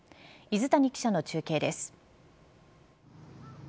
泉谷記者の中継です。